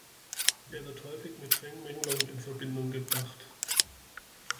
Er wird häufig mit Feng Menglong in Verbindung gebracht.